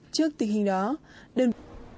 trước tình hình đó đơn